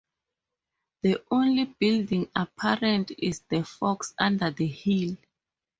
The only building apparent is the "Fox under the Hill".